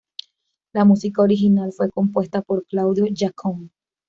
La música original fue compuesta por Claudio Jácome.